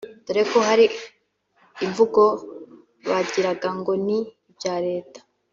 dore ko hari imvugo bagiraga ngo ni ibya Leta